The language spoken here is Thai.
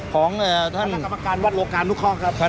ของเอ่อท่านคณะกรรมการวัดโลกาณุพระครับ